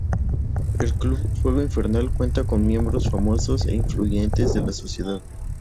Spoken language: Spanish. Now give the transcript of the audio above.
El Club Fuego Infernal cuenta con miembros famosos e influyentes de la sociedad.